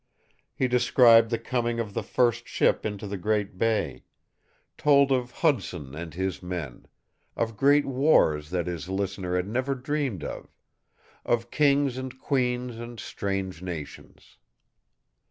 He described the coming of the first ship into the great bay; told of Hudson and his men, of great wars that his listener had never dreamed of, of kings and queens and strange nations.